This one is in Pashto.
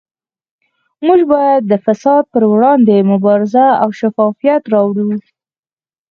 موږ باید د فساد پروړاندې مبارزه او شفافیت راوړو